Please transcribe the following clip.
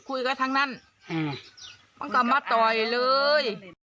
คุ้ยกันทั้งนั้นเออเอออืมก็กระมะต่อยเลย